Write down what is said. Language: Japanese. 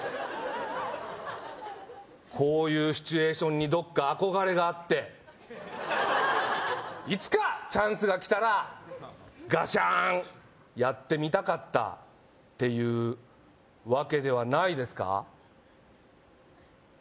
こういうシチュエーションにどっか憧れがあっていつかチャンスが来たらガシャーンやってみたかったっていうわけではないですか？